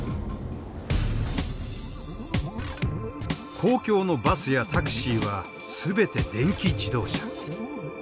公共のバスやタクシーは全て電気自動車。